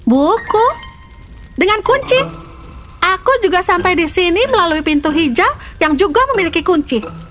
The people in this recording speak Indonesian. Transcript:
buku dengan kunci aku juga sampai di sini melalui pintu hijau yang juga memiliki kunci